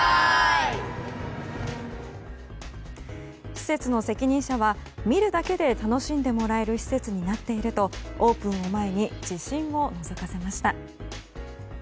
施設の責任者は見るだけで楽しんでもらえる施設になっているとオープンを前に自信をのぞかせました。